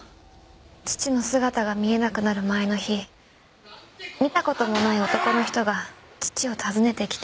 父の姿が見えなくなる前の日見た事もない男の人が父を訪ねてきて。